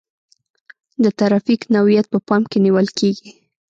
د ترافیک نوعیت په پام کې نیول کیږي